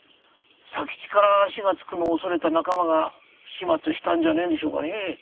佐吉から足がつくのを恐れた仲間が始末したんじゃねえんでしょうかねぇ。